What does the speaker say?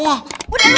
udah lu jual lagi